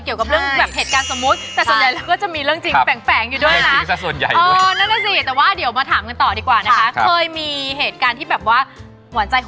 เกี่ยวกับเรื่องแบบเหตุการณ์สมมติ